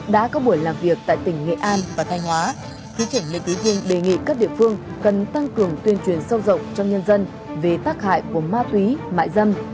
đã có buổi làm việc tại tỉnh nghệ an và thanh hóa thứ trưởng lê quý vương đề nghị các địa phương cần tăng cường tuyên truyền sâu rộng trong nhân dân về tác hại của ma túy mại dâm